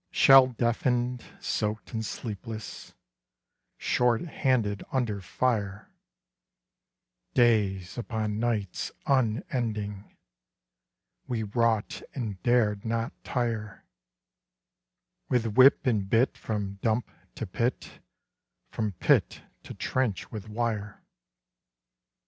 Shell deafened; soaked and sleepless; Short handed; under fire; Days upon nights unending, We wrought, and dared not tire With whip and bit from dump to pit, From pit to trench with wire.